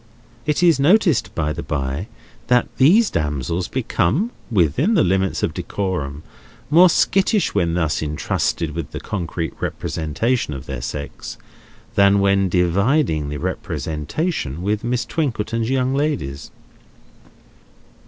It is noticed, by the bye, that these damsels become, within the limits of decorum, more skittish when thus intrusted with the concrete representation of their sex, than when dividing the representation with Miss Twinkleton's young ladies.